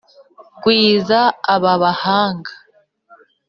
gwiza aba bahanga,